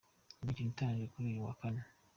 Imikino iteganyijwe kuri uyu wa Kane.